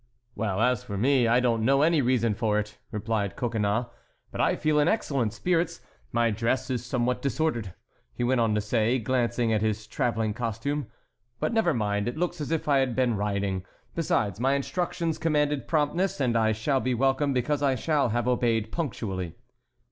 "Well, as for me, I don't know any reason for it," replied Coconnas, "but I feel in excellent spirits. My dress is somewhat disordered," he went on to say, glancing at his travelling costume, "but never mind, it looks as if I had been riding. Besides, my instructions commanded promptness and I shall be welcome because I shall have obeyed punctually."